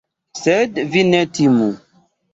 Sed vi ne timu!